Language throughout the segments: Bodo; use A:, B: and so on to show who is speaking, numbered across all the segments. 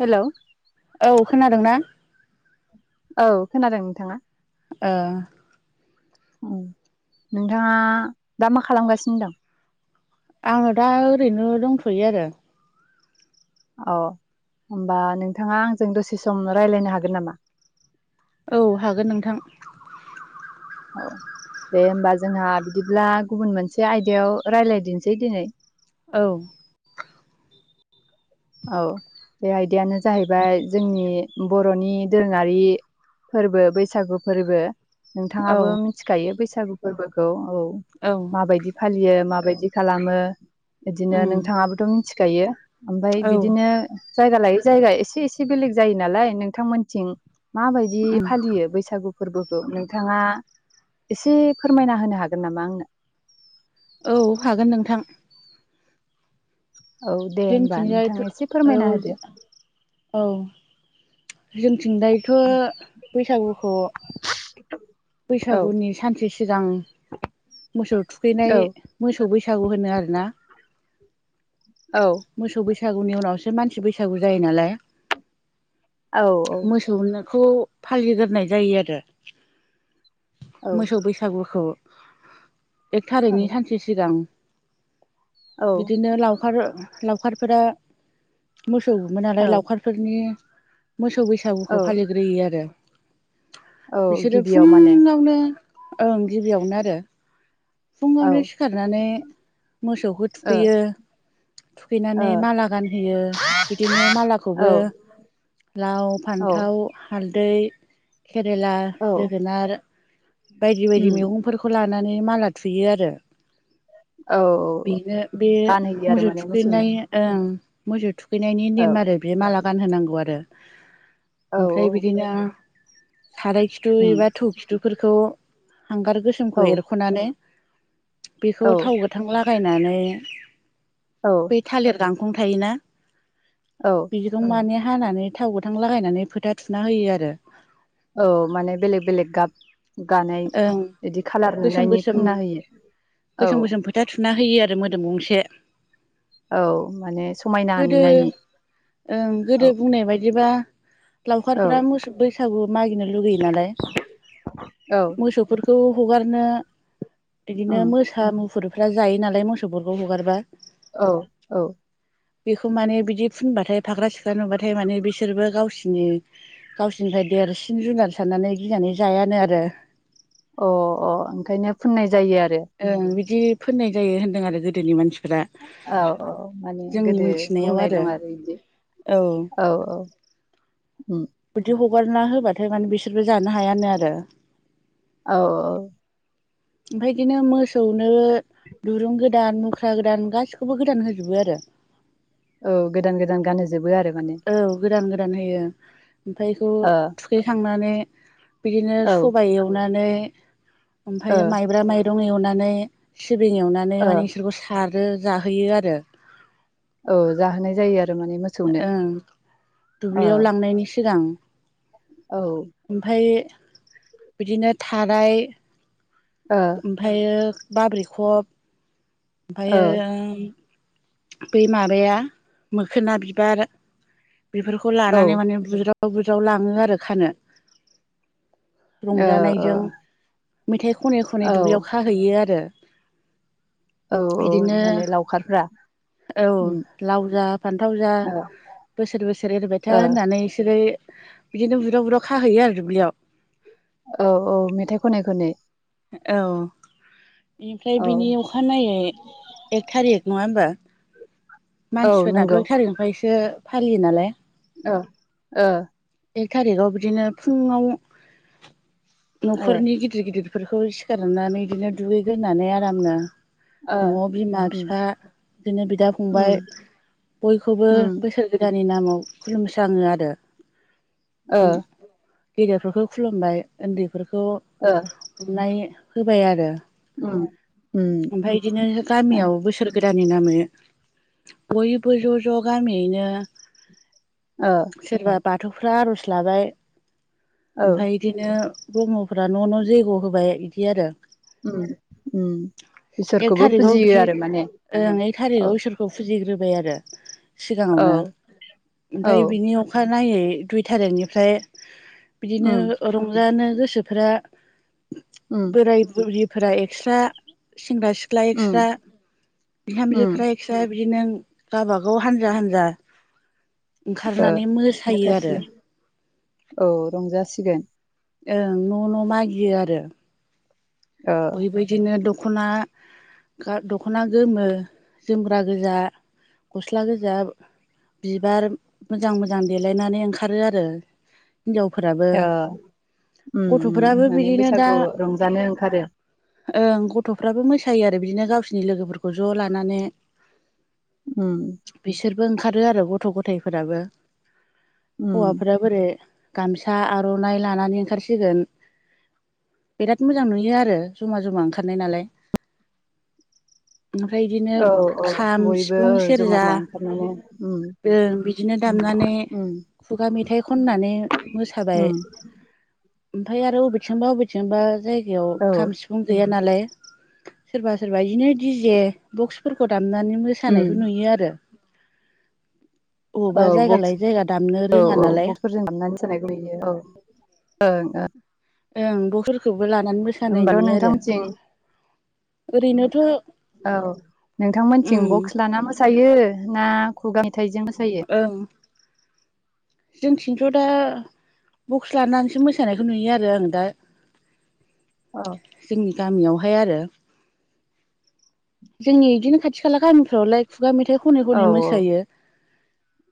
A: हेलौ
B: औ खोनादोंना?
A: औ खोनादों नोंथाङा ।
B: ओ
A: ओम नोंथाङा दा मा खालामगासिनो दं?
B: आङो दा ओरैनो दंथ'यो आरो ।
A: औ होमबा नोंथाङा आंजों दसे सम रायज्लायनो हागोन नामा?
B: औ हागोन नोंथां ।
A: औ दे होनोमबा जोंहा बिदिब्ला गुबुन मोनसे आयदायाव रायज्लायदिनसै दिनै।
B: औ
A: औ बे आयदायानो जाहैबाय जोंनि बर'नि दोरोङारि फोरबो बैसागु फोरबो ।
B: औ
A: नोंथाङाबो मिथिखायो बैसागु बैसागु फोरबोखौ । औ
B: औ
A: माबायदि फालियो माबायदि बिदि खालामो? बिदिनो
B: उम
A: नोंथाङाबोथ' मिथि खायो ओमफ्राय
B: औ
A: बिदिनो जायगा लायै जायगा एसे एसे बेलेग जायो नालाय नोंथांमोनथिं माबायदि
B: उम
A: फालियो बैसागु फोरबोखौ नोंथाङा एसे फोरमायना होनो हागोन नामा आंनो?
B: औ हागोन नोंथां।
A: औ दे होमबा नोंथां
B: जोंथिंजायथ'
A: एसे
B: औ
A: फोरमायना होदो।
B: औ जोंनिथिं दायथ' बैसागुखौ
A: औ
B: बैसागुनि सानसे सिगां मोसौ
A: औ
B: थुखैनाय मोसौ बैस सागु होनो आरोना
A: औ
B: मोसौ बैस सागुनि उनावसो मानसि बैसागु जायो नालाय मोसौनो खौ फालिगोरनाय जायो आरो
A: औ
B: मोसौ बैसागुखौ एक
A: औ
B: थारिखनि
A: औ
B: सानसे सिगां
A: औ
B: बिदिनो लावखार लावखारफोरा मोसौ गुमो नालाय
A: औ
B: लावखारफोरनि मोसौ बैसागुखौ
A: औ
B: फालिग्रोयो आरो
A: औ
B: बिसोरो
A: गिबियाव माने
B: फुंङावनो ओं गिबियावनो आरो
A: औ
B: फुङावनो
A: ओ
B: सिखारनानै मोसौखो थुखैयो
A: ओ
B: थुखैनानै माला गानहोयो बिदिनो मालाखौबो लाव
A: औ
B: फान्थाव हाल दै केरेला
A: औ
B: जोगोनार बायदि बायदि
A: उम
B: मैगंफोरखौ ला माने माला थुयो आरो
A: औ
B: बेनो बे
A: गानहोयो आरो
B: मोसौ
A: माने मोसौनो
B: थुखैनाय ओं मोसौ थु खैनायनि
A: औ
B: नेम आरो बे माला गानहोनांगौ आरो
A: औ
B: ओमफ्राय बिदिनो साराय खिथु
A: उम
B: एबा थौ खिथुफोरखौ हांगार
A: औ
B: गोसोमखौ एरख'नानै बेखौ
A: औ
B: थाव गोथांला लगायनानै
A: औ
B: बै थालिर गां थायोना
A: औ
B: बिदिखौ मानिया हानानै थाव गोथां लागायनानै फोथा थुना होयो आरो।
A: औ माने बेलेग बेलेग गाब गानाय
B: ओं
A: बिदि खालार
B: गोसोम
A: नुनायनि
B: गोसोम
A: फोनना होयो औ।
B: गोसोम गोसोम फोथा थुना होयो आरो मोदोम गंसे
A: औ माने समायना
B: गोदो
A: नुनायनि
B: ओं गोदो
A: औ
B: बुंनाय बायदिबा
A: औ
B: लावखारफ्रा मोसौ बैसागु मागिनो लुगैयो नालाय
A: औ
B: मोसौफोरखौ हगारनो बिदिनो
A: उम
B: मोसा मुफुर फ्रा जायो नालाय मोसौफोरखौ हगारबा
A: औ औ
B: बेखौ माने बिदि फुनबाथाय फाख्रा सिख्रा नुबाथाय माने बिसोरबो गावसिनि गावसिनिफ्राय देरसिन जुनार साननानै गिनानै जायानो आरो।
A: अह अह ओंखायनो फुननाय जायो आरो।
B: ओं बिदि फोननाय जायो होन्दों आरो गोदोनि मानसि
A: औ औ माने गोदो बुंनाय दं आरो बिदि औ औ। उम
B: बिदि हगारना होबाथाय माने बिसोरबो जानो हायानो आरो।
A: औ औ।
B: ओमफ्राय बिदिनो मोसौनो दुरुं गोदान मुख्रा गोदान गासिखौबो गोदान होजोबो आरो।
A: औ गोदान गोदान गानहोजोबो आरो माने।
B: ओमफाय बेखौ
A: ओ
B: थुखैखांनानै बिदिनो
A: औ ओ
B: सबाइ एवनानै [inaudible] ओमफ्रायो माइब्रा माइ रं एवनानै सिबिं एवनानै
A: ओ
B: माने बिसोरखौ सार [unintelligible] जाहोयो आरो
A: औ जाहोनाव जायो आर
B: ओं
A: ओ
B: दुब्लियाव लांनायनि सिगां
A: औ ओ
B: [inaudible] ओमफाय बिदिनो थाराय ओमफायो बाब्रिखब
A: ओ औ
B: ओमफायो [unintelligible] बै माबाया मोखोना बिबार बेफोरखौ
A: ओ
B: लानानै माने बुज्राब [unintelligible] लाङो आरो खानो [inaudible]
A: ओ
B: रंजानायजों मेथाइ खनै खनै
A: औ
B: दुब्लियाव खाहैयो आरो
A: औ औ
B: बिदिनो
A: माने लावखारफ्रा
B: औ
A: उम
B: लाव जा फान्थाव जा
A: ओ
B: बोसोर बोसोर एरबाय था
A: ओ
B: होननानै इसोर ओफ्राय बिदिनो बुरजा बुरजाव खाहैयो आरो दुब्लियाव
A: औ औ मेथाइ खनै खनै
B: औ बेनिफ्राय
A: औ
B: बिनि अखानायै एक थारिक नङा होमबा?
A: औ
B: मानसिफोरनाथ'
A: नंगौ
B: एक थारिख [unintelligible] बे फालियो नालाय
A: ओओ
B: एक थारिखाव बिदिनो फुङाव [inaudible]
A: ओ
B: न'खरनि गिदिर गिदिर बेफोरखौ सिखारनानै बिदिनो दुगैग्रोनानै आरामनो
A: ओ
B: न'आव बिमा
A: उम
B: बिफा बिदिनो बिदा
A: उम
B: फंबाय बयखौबो
A: उम
B: बोसोर गोदाननि नामाव खुलुमस्राङो आरो
A: ओ
B: गेदेरफोरखौ खुलुमबाय उन्दै बेफोरखौ
A: ओ
B: गुरनाय होबाय आरो
A: उम उम
B: [inaudible] ओमफाय इदिनो गामियाव बोसोर गोद बिदानि नामै बयबो ज' ज' गामियैनो
A: ओ
B: [inaudible] सिरबाद बाथौ [unintelligible] आर'ज लाबाय।
A: औ
B: ओमफ्राय बिदिनो ब्रह्मफ्रा न' न' जैग' होबाय बिदि आरो।
A: ओम ओम
B: एक
A: इसोरखौबो
B: थारिखाव
A: फुजियो
B: बिदि
A: आरो माने
B: ओं एक
A: औ।
B: थारिखाव इसोरखौ [unintelligible] आरो।
A: औ
B: सिगाङावनो ओमफाय
A: औ
B: बिनि अखा [unintelligible] दुइ तारीखनिफ्राय बिदिनो
A: उम
B: रंजानो गोसोफ्रा
A: उम
B: बोराइ -बुरि [unintelligible] एक्सट्रा सेंग्रा -सिख्ला
A: उम
B: एक्स्रा
A: उम
B: बिहामजोफ्रा एक्स्रा [unintelligible] बिदि नों गाबागाव हानजा -हानजा
A: ओ
B: ओंखारनानै मोसायो आरो।
A: मोसासिगोन औ रंजासिगोन।
B: ओं न' न' मागियो आरो।
A: ओ
B: बैबायदिनो [unintelligible] ख'ना गा- दख'ना गोमो जोमग्रा गोजा, गस्ला गोजा बिबार मोजां मोजां देलायनानै ओंखारो आरो। हिनजावफोराबो
A: ओ‌ ओम ओम
B: गथ'फोराबो
A: माने
B: बिदिनो दा
A: बैसागु रंजानो ओंखारो।
B: ओं गथ'फ्राबो मोसायो आरो बिदिनो गावसिनि लोगोफोरखौ ज' लानानै।
A: ओम।
B: [unintelligible] ओंखारो आरो गथ' गथायफोराबो।
A: उम
B: हौवाफोरा [unintelligible] गामसा, आर'नाइ लानानै ओंखारसिगोन बिराद मोजां नुयो [unintelligible] [unintelligible] जमा -जमा ओंखारनाय नालाय। ओमफ्राय बिदिनो
A: औ औ
B: खाम,
A: बयबो
B: सिफुं,
A: ओ जमा
B: सेरजा
A: जमा ओंखारनानै उम
B: ओं बिदिनो दामनानै
A: उम
B: खुगा मेथाइ खननानै मोसाबाय।
A: उम
B: ओमफाय आरो अबेथिंबा अबेथिंबा जाय [unintelligible]
A: औ
B: खाम, सिफुं गैया नालाय सोरबा -सोरबा इदिनो डीजे बक्सफोरखौ दाम [unintelligible]
A: उम
B: मोसानायखौ नुयो आरो। अबावबा
A: औ
B: जायगा
A: बक्स
B: लायै जायगा दामनो
A: औ
B: रोङा
A: औ
B: नालाय
A: बक्सफोरजों दामनानै मोसानायखौ नुयो औ ओं ओं
B: ओं बक्सफोरखौबो लानानै मोसानाय
A: होमबाथ'
B: नुयो आरो।
A: नोंथांमोनथिं
B: ओरैनोथ'।
A: औ
B: उम
A: नोंथांमोनथिं बक्स लाना मोसा सायो ना खुगा मे फिथाइजों मोसायो।
B: ओं जोंथिंथ' दा बक्स लानानैसो मोसानायखौ नुयो आरो आं दा
A: औ।
B: जोंनि गामियावहाय आरो जोंनि बिदिनो खाथि खाला गामिफ्रावलाय खुगा मेथाइ खनै
A: औ
B: खनै मोसायो।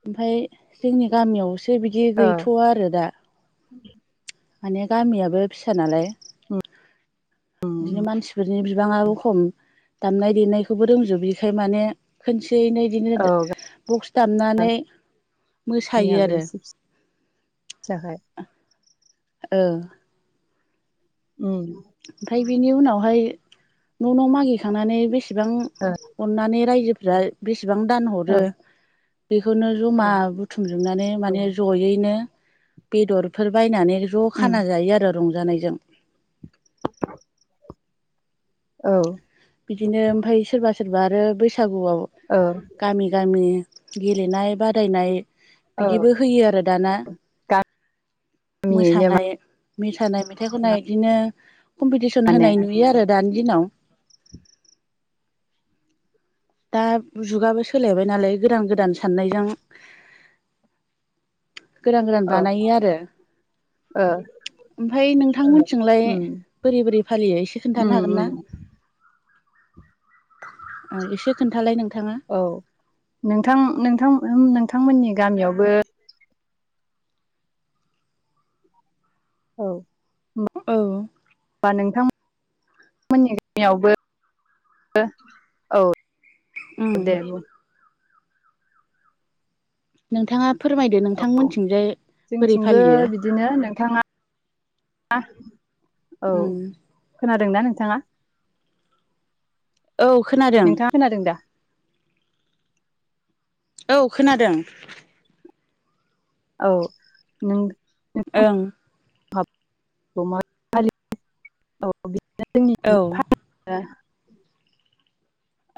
B: ओमफ्राय जोंनि गामियावसो बिदि
A: औ ओ
B: गैथ'आ आरो दा। माने गामियाबो फिसा नालाय।
A: उम
B: बिदिनो
A: उम
B: मानसिफोर बिनि बिबांआबो खम दामनाय देनायखौबो रोंजोबा बेखाय माने एसे एनै बिदिनो
A: औ
B: बक्स दामनानै मोसायो
A: नियाबो
B: आरो।
A: एसे फिसाखाय
B: औ।
A: उम।
B: ओमफ्राय बेनि उनावहाय न' न' मागिखांनानै बेसे बेसेबां
A: ओ
B: अननानै रायजो [inaudible] बेसेबां दान हरो।
A: ओ
B: बेखौनो जमा बुथुमजोबनानै माने जयैनो बेदरफोर बायनानै ज'
A: उम
B: खाना जायो आरो रंजानायजों।
A: औ।
B: बिदिनो ओमफ्राय सोरबा सोरबा आरो बै बैसागुआव
A: औ
B: गामि गामि गेलेनाय बादायनाय।
A: औ
B: बिदिबो होयो आरो दाना।
A: गामियैनो
B: मोसानाय मोसानाय मेथाइ खनाय इदिनो कम्पिटिसन
A: माने
B: होनाय नुयो आरो दानि दिनाव। दा जुगाबो सोलायबाय नालाय गोदान गोदान साननायजों गोदान गोदान
A: ओ
B: बानायो आरो
A: ओ
B: ओमफ्राय नोंथांमोनथिलाय
A: उम
B: बोरै बोरै फालियो एसे
A: उम
B: खिथानो हागोन ना।
A: उम
B: एसे खोन्थालाय नोंथां।
A: औ नोंथां नोंथां। नोंथांमोननि गामियावबो औ।
B: औ
A: बा नोंथांमोन नि गामियावबो औ
B: उम
A: अ दे बुं
B: नोंथाङा फोरमायदो
A: औ
B: नोंथांमोनथिंजाय बोरै
A: जोंथिंबो
B: फालियो
A: बिदिनो नोंथाङा औ
B: उम
A: खोनादोंना नों नोंथाङा
B: औ खोनादों
A: नोंथाङा खोनादों दा
B: औ खोनादों
A: औ नों
B: ओं
A: [inaudible] औ
B: औ
A: जोंनिथिं [inaudible]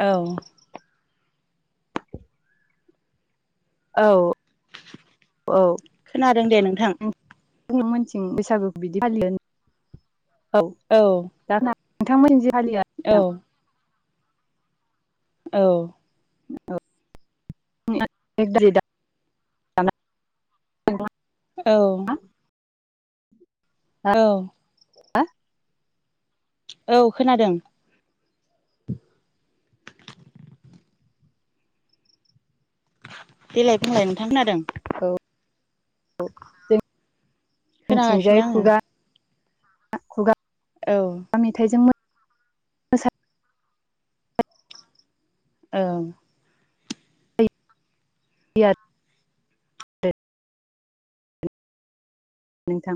B: औ
A: औ
B: खोनादों दे नोंथां
A: नांमोनथिं बैसागुखौ बिदि फालियो औ जाना नोंथांमोननि जे खालि आ नोंथां
B: औ
A: औबार [inaudible]
B: औ औ
A: हा
B: औ खोनादों देलाय बुंलाय नोंथां खोनादों
A: े [unintelligible] थिंजाय
B: खोनागासिनो आङो
A: खुगा
B: औ
A: [inaudible] मेथाइजों मोसायो
B: ओं।
A: [unintelligible] आरो नोंथां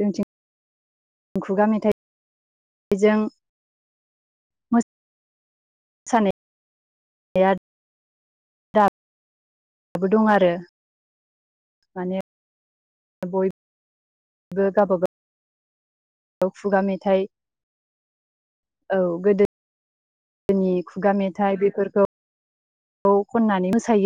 A: जोंथिं खुगा मेथाइजों [unintelligible] औ खुगा मेथाइ औ गोदो नि खुगा मेथाइ बेफोरखौ खननानै मोसायो।